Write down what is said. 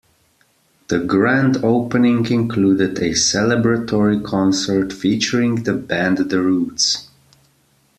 The grand opening included a celebratory concert featuring the band The Roots.